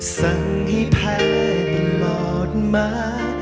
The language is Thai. สั่งให้แพร่ตลอดมา